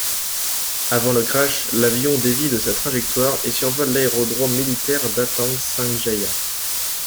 Avant le crash, l'avion dévie de sa trajectoire et survole l'aérodrome militaire d’Atang Sanjaya.